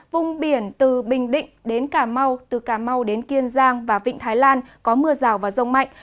vùng biển từ bình định đến cà mau từ cà mau đến kiên giang và vịnh thái lan có mưa rào và rông mạnh